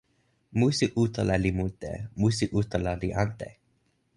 musi utala li mute, musi utala li ante.